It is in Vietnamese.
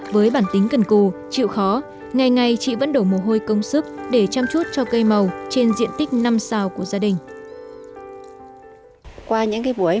với bản tính cần cù chịu khó ngày ngày chị vẫn đổ mồ hôi công sức để chăm chút cho cây màu trên diện tích năm sao của gia đình